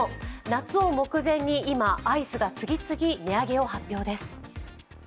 夏を目前に今、アイスが次々値上げを発表です。